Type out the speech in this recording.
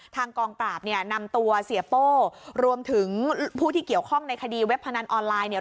กองปราบเนี่ยนำตัวเสียโป้รวมถึงผู้ที่เกี่ยวข้องในคดีเว็บพนันออนไลน์เนี่ย